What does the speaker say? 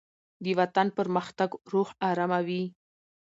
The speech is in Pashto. دوطن پرمختګ روح آراموي